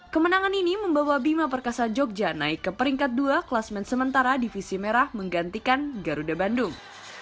kemenangan ini membawa bima perkasa jogja naik ke peringkat dua kelasmen sementara divisi merah menggantikan garuda bandung